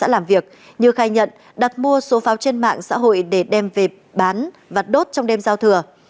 làm việc như khai nhận đặt mua số pháo trên mạng xã hội để đem về bán và đốt trong đêm giao thừa